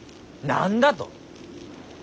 何だと。